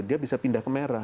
dia bisa pindah ke merah